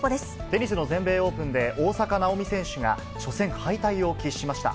テニスの全米オープンで、大坂なおみ選手が、初戦敗退を喫しました。